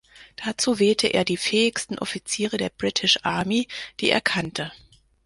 Dazu wählte er die fähigsten Offiziere der British Army, die er kannte.